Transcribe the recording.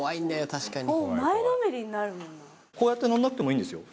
確かにこうやって乗んなくてもいいんですよ